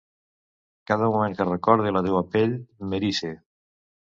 Cada moment que recorde la teua pell, m’erice.